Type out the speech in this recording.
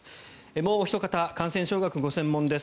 もうおひと方感染症学がご専門です。